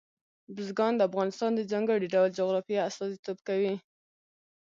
بزګان د افغانستان د ځانګړي ډول جغرافیه استازیتوب کوي.